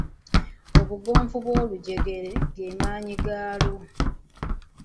Obugonvu bw'olujegere ge maanyi gaalwo.